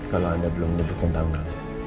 kalau anda belum tentu kita berdua